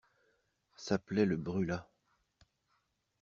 Sa plaie le brûla.